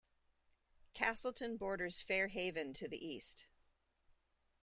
Castleton borders Fair Haven to the east.